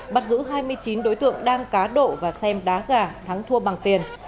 bắt giữ hai mươi chín đối tượng đang cá độ và xem đá gà thắng thua bằng tiền